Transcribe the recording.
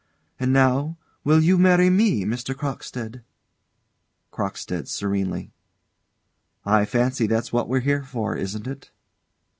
And now will you marry me, Mr. Crockstead? CROCKSTEAD. [Serenely.] I fancy that's what we're here for, isn't it?